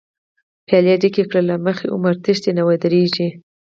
پیالی ډکی کړه له مخی، عمر تښتی نه ودریږی